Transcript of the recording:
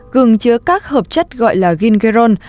gừng chứa các hợp chất gọi là ginerol